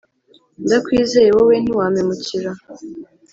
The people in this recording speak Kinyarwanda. ndakwizeye wowe ntiwampemukira.